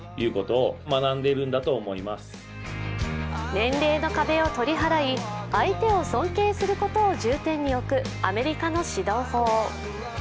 年齢の壁を取り払い、相手を尊敬することを重点に置くアメリカの指導法。